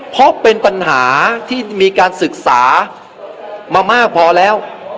เพราะเป็นปัญหาที่มีการศึกษามามากพอแล้ว